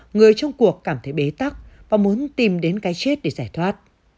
người trong cuộc cảm thấy bế tắc và muốn tìm đến cái chết để giải thoát